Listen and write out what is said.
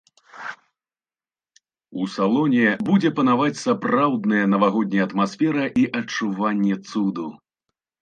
У салоне будзе панаваць сапраўдная навагодняя атмасфера і адчуванне цуду.